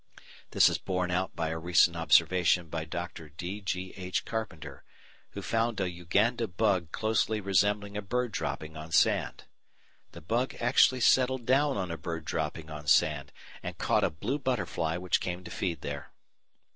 This is borne out by a recent observation by Dr. D. G. H. Carpenter, who found a Uganda bug closely resembling a bird dropping on sand. The bug actually settled down on a bird dropping on sand, and caught a blue butterfly which came to feed there!